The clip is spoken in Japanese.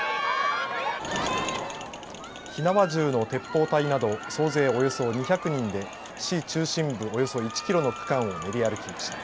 火縄銃の鉄砲隊など、総勢およそ２００人で市中心部、およそ１キロの区間を見えました？